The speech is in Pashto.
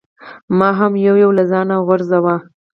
ما هم یو یو له ځانه غورځاوه.